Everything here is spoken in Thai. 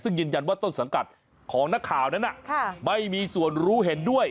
ซึ่งยืนยันว่าต้นสังกัดของนักข่าวนั้นไม่มีส่วนรู้เห็นด้วย